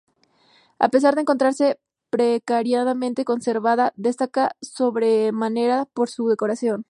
A pesar de encontrarse precariamente conservada, destaca sobremanera por su decoración.